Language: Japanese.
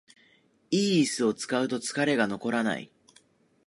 良いイスを使うと疲れが残らない